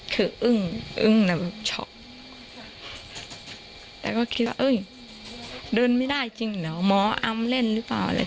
คืออึ้งอึ้งแต่แบบช็อกแต่ก็คิดว่าเอ้ยเดินไม่ได้จริงเหรอหมออำเล่นหรือเปล่าอะไร